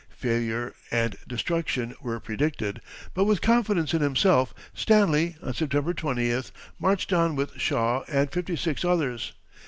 Failure and destruction were predicted, but with confidence in himself Stanley, on September 20th, marched on with Shaw and fifty six others.